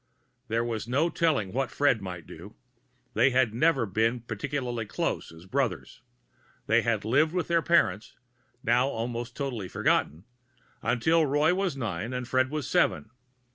There was no telling what Fred might do. They had never been particularly close as brothers; they had lived with their parents (now almost totally forgotten) until Roy was nine and Fred seven.